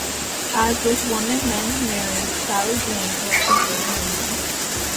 As with "Women Men Marry", Sally Blane was his leading lady.